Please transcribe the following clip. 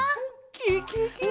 ケケケ！